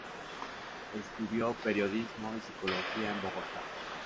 Estudió Periodismo y Psicología en Bogotá.